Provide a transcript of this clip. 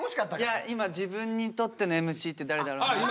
いや今自分にとってのＭＣって誰だろうなって。